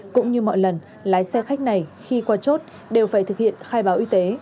cũng như mọi lần lái xe khách này khi qua chốt đều phải thực hiện khai báo y tế